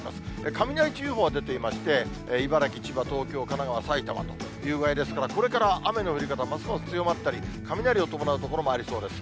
雷注意報が出ていまして、茨城、千葉、東京、神奈川、埼玉という具合ですから、これから雨の降り方、ますます強まったり、雷を伴う所もありそうです。